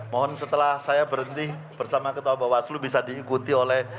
mohon setelah saya berhenti bersama ketua bawaslu bisa diikuti oleh